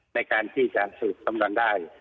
ในการที่จะสูดสำรณได้